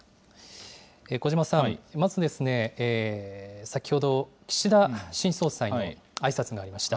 小嶋さん、まずですね、先ほど岸田新総裁のあいさつがありました。